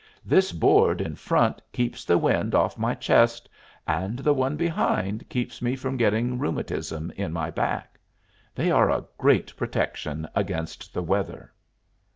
This board in front keeps the wind off my chest, and the one behind keeps me from getting rheumatism in my back. They are a great protection against the weather."